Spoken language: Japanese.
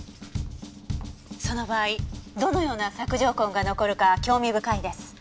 その場合どのような索条痕が残るか興味深いです。